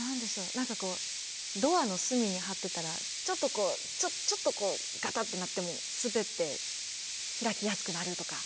何かドアの隅に貼ってたらちょっとこうガタッてなっても滑って開きやすくなるとか。